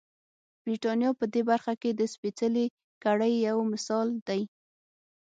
برېټانیا په دې برخه کې د سپېڅلې کړۍ یو مثال دی.